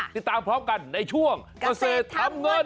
ติดตามพร้อมกันในช่วงเกษตรทำเงิน